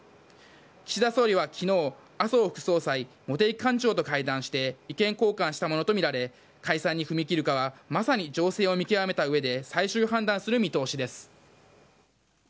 岸田総理は昨日、麻生副総裁茂木幹事長と会談して意見交換したものとみられ解散に踏み切るかはまさに情勢を見極めた上で最終判断する見通しです。